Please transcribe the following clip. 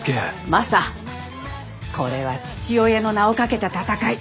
マサこれは父親の名をかけた戦い。